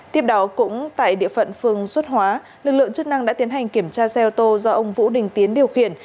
tiếp đó cũng tại địa phận phương xuất hóa lực lượng chức năng đã tiến hành kiểm tra xe ô tô do ông vũ đình tiến điều khiển